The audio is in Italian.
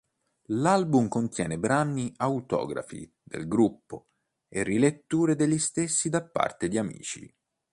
L'album contiene brani autografi del gruppo e riletture degli stessi da parte di amici.